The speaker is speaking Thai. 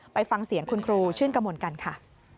ไปฟังเสียงคุณครูชื่นกระมวลกันค่ะ